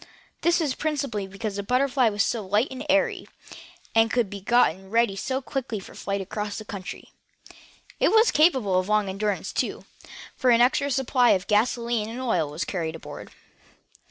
This was principally because the BUTTERFLY was so light and airy, and could be gotten ready so quickly for a flight across country. It was capable of long endurance, too, for an extra large supply of gasolene and oil was carried aboard.